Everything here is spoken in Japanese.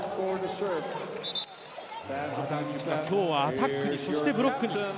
山田二千華、今日はアタックに、そしてブロックに。